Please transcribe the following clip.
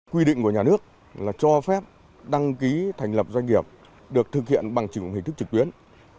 quy định của nhà nước là cho phép đăng ký thành lập doanh nghiệp được thực hiện bằng chứng hình thức trực tuyến